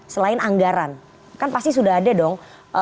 selain anggaran kan pasti sudah ada dong